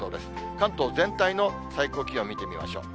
関東全体の最高気温見てみましょう。